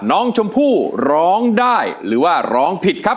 น้องชมพู่ร้องได้หรือว่าร้องผิดครับ